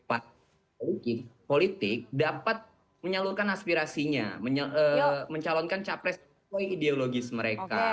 partai politik dapat menyalurkan aspirasinya mencalonkan capres sesuai ideologis mereka